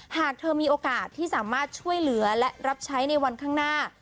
หากเธอมีโอกาสที่สามารถช่วยเหลือและรับใช้ในวันข้างหน้า